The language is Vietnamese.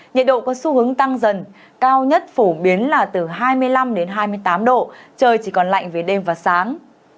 nhiệt độ có xu hướng tăng dần cao nhất phổ biến là từ hai mươi năm đến hai mươi tám độ trời chỉ còn lạnh về đêm và sáng